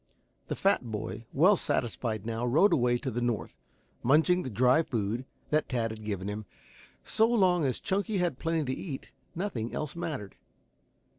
The fat boy, well satisfied now, rode away to the north, munching the dry food that Tad had given him. So long as Chunky had plenty to eat, nothing else mattered.